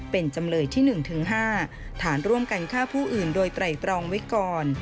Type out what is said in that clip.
เป็นจำเลยที่๑๕ฐานร่วมกันฆ่าผู้อื่นโดยไตรตรองไว้ก่อน